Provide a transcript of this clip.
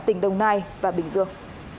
tỉnh đồng nai và bình dương